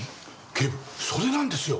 警部それなんですよ！